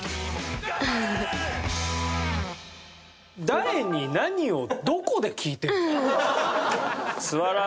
誰に何をどこで聞いてるの？